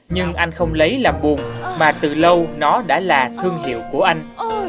nhưng anh không lấy làm buồn mà từ lâu nó đã là thương hiệu của anh